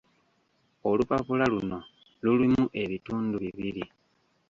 Olupapula luno lulimu ebitundu bibiri